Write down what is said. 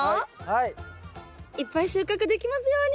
いっぱい収穫できますように！